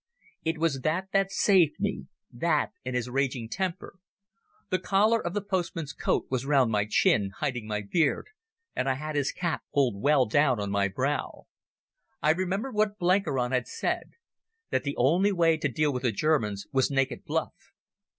It was that that saved me, that and his raging temper. The collar of the postman's coat was round my chin, hiding my beard, and I had his cap pulled well down on my brow. I remembered what Blenkiron had said—that the only way to deal with the Germans was naked bluff.